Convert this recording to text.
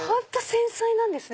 繊細なんですね